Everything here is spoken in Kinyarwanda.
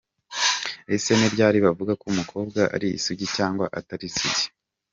Ese ni ryari bavuga ko umukobwa ari isugi cyangwa atari isugi